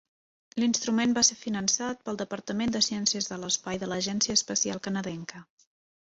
L'instrument va ser finançat pel Departament de Ciències de l'Espai de l'Agència Espacial Canadenca.